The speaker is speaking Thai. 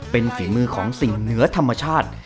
เป็นฝีมือของสิ่งเหนือธรรมชาติ